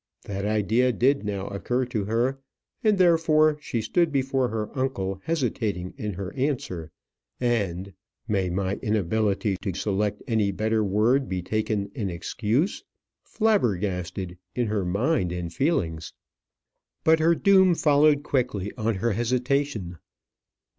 That idea did now occur to her, and therefore she stood before her uncle hesitating in her answer, and may my inability to select any better word be taken in excuse? "flabbergasted" in her mind and feelings. But her doom followed quickly on her hesitation.